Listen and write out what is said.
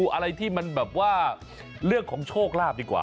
อะไรที่มันแบบว่าเรื่องของโชคลาภดีกว่า